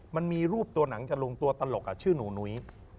มันมีรูปตัวหนังจากลุงตัวตลกชื่อหนูนุ้ย